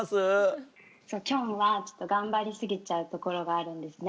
きょんはちょっと頑張り過ぎちゃうところがあるんですね